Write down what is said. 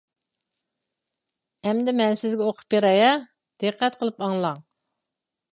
ئەمدى مەن سىزگە ئوقۇپ بېرەي، ھە، دىققەت قىلىپ ئاڭلاڭ.